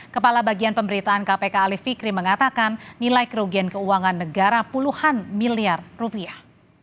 kepala bagian pemberitaan kpk alif fikri mengatakan nilai kerugian keuangan negara puluhan miliar rupiah